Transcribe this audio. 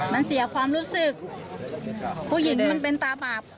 มันเสียความรู้สึกผู้หญิงมันเป็นตาบาป